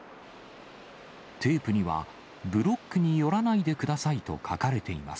テープには、ブロックに寄らないでくださいと書かれています。